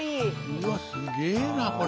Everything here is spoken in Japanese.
うわっすげえなこれ。